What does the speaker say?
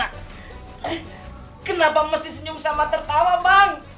eh kenapa mesti senyum sama tertawa bang